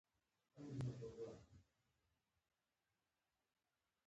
هغه وويل چې مولوي صاحب ډېر يادولې.